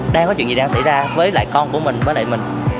đang có chuyện gì đang xảy ra với lại con của mình với lại mình